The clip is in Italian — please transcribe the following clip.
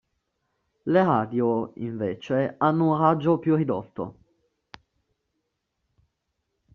Le radio invece hanno un raggio più ridotto.